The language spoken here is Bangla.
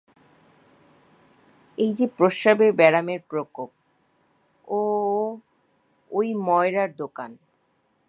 এই যে প্রসাবের ব্যারামের প্রকোপ, ও-ও ঐ ময়রার দোকান।